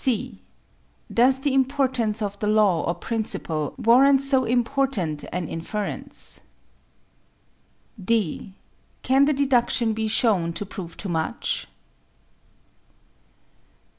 (c) Does the importance of the law or principle warrant so important an inference? (d) Can the deduction be shown to prove too much?